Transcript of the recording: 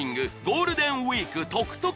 ゴールデンウィーク得々！